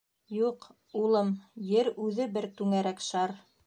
— Юҡ, улым, Ер үҙе бер түңәрәк шар.